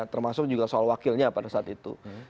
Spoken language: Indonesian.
termasuk juga soal wakilnya pada saat itu